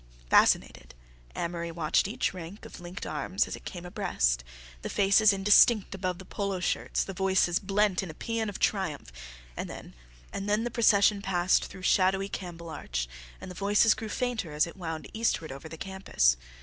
Fascinated, Amory watched each rank of linked arms as it came abreast, the faces indistinct above the polo shirts, the voices blent in a paean of triumph—and then the procession passed through shadowy Campbell Arch, and the voices grew fainter as it wound eastward over the campus.